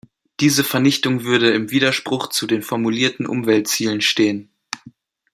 Diese Vernichtung würde im Widerspruch zu den formulierten Umweltzielen stehen.